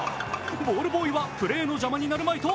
ボールボーイはプレーの邪魔になるまいと